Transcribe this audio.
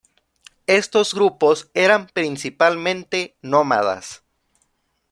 Estos grupos eran principalmente nómadas.